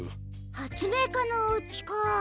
はつめいかのおうちか。